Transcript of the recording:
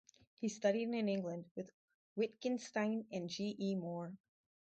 He studied in England with Wittgenstein and G. E. Moore.